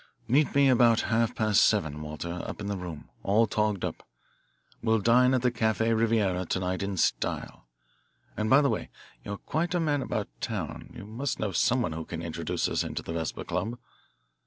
Meet me about half past seven, Walter, up in the room, all togged up. We'll dine at the Cafe Riviera to night in style. And, by the way, you're quite a man about town you must know someone who can introduce us into the Vesper Club."